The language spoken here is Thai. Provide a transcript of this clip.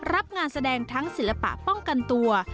รับงานแสดงทั้งศิลปะป้องกันตัว